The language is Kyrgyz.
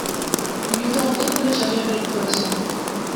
Үйүндө олтуруп эле жарыя берип коесуң.